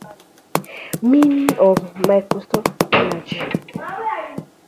It deals with a father's incestuous love for his daughter.